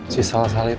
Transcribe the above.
si salah salah itu